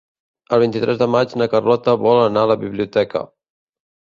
El vint-i-tres de maig na Carlota vol anar a la biblioteca.